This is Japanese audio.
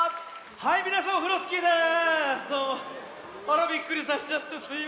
はいみなさんオフロスキーです。